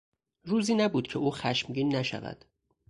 روزی نبود که او خشمگین نشود.